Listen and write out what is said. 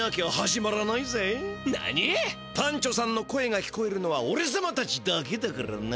パンチョさんの声が聞こえるのはおれさまたちだけだからな。